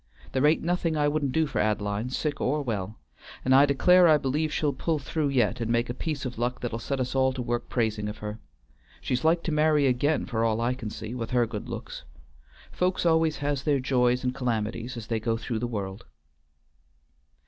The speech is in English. There ain't nothing I wouldn't do for Ad'line, sick or well, and I declare I believe she'll pull through yet and make a piece of luck that'll set us all to work praising of her. She's like to marry again for all I can see, with her good looks. Folks always has their joys and calamities as they go through the world."